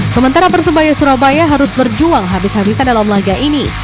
sementara persebaya surabaya harus berjuang habis habisan dalam laga ini